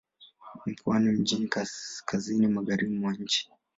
Mkoa upo mjini kaskazini-magharibi mwa nchi.